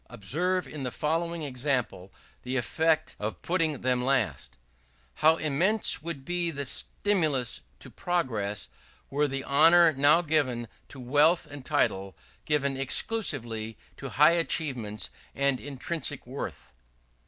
Observe in the following example the effect of putting them last: "How immense would be the stimulus to progress, were the honour now given to wealth and title given exclusively to high achievements and intrinsic worth!"